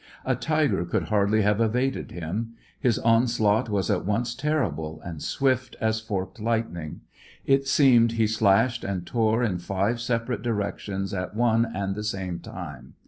A tiger could hardly have evaded him. His onslaught was at once terrible, and swift as forked lightning. It seemed he slashed and tore in five separate directions at one and the same time.